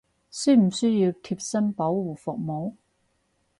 需唔需要貼身保護服務！？